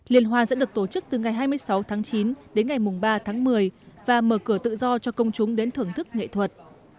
liên hoan sẽ được tổ chức từ ngày hai mươi sáu tháng chín đến ngày ba tháng một mươi và mở cửa tự do cho công chúng đến thưởng thức nghệ thuật